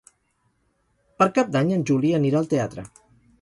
Per Cap d'Any en Juli anirà al teatre.